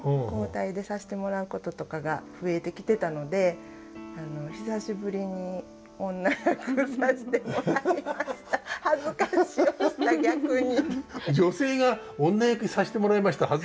交代でさしてもらうこととかが増えてきてたので久しぶりに女役をさしてもらいました。